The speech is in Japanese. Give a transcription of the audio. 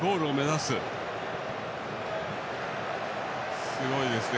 すごいですね。